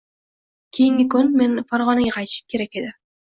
Keyingi kuni men Farg’onaga qaytishim kerak edi.